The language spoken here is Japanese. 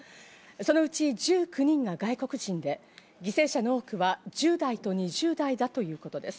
そのうち１９人が外国人で犠牲者の多くは１０代と２０代だということです。